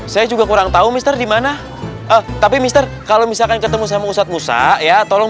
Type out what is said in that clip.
saya juga kurang tahu mr dimana tapi mr kalau misalkan ketemu sama ustadz musa ya tolong